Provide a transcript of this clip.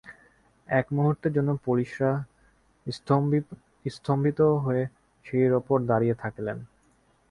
এক মুহুর্তের জন্যে পুলিশরা স্তম্ভিত হয়ে সিঁড়ির উপর দাঁড়িয়ে থাকলেন।